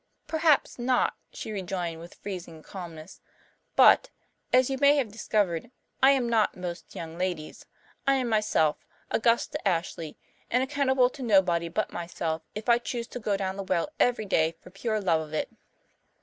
"Perhaps not," she rejoined, with freezing calmness. "But, as you may have discovered, I am not 'most young ladies.' I am myself, Augusta Ashley, and accountable to nobody but myself if I choose to go down the well every day for pure love of it."